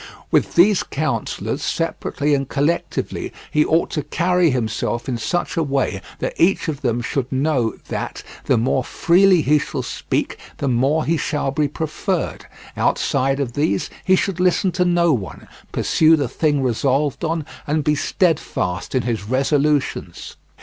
With these councillors, separately and collectively, he ought to carry himself in such a way that each of them should know that, the more freely he shall speak, the more he shall be preferred; outside of these, he should listen to no one, pursue the thing resolved on, and be steadfast in his resolutions.